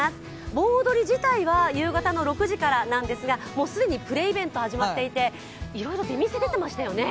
盆踊り自体は夕方の６時からなんですがもうすでにプレイベント始まっていて、いろいろで見せ出ていましたよね。